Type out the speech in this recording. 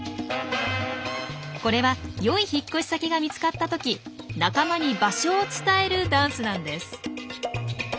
これは良い引っ越し先が見つかった時仲間に場所を伝えるダンスなんです。